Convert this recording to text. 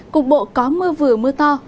cục bộ có mưa vừa mưa to